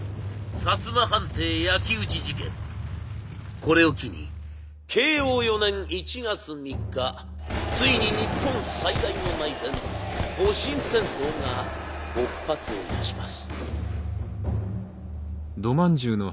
これを機に慶応４年１月３日ついに日本最大の内戦戊辰戦争が勃発をいたします。